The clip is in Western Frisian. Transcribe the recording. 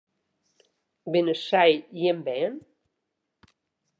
Binne sy jim bern?